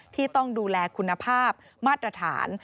ที่ต้องดูแลคุณภาพมาตรฐาน